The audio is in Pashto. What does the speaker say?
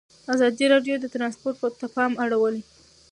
ازادي راډیو د ترانسپورټ ته پام اړولی.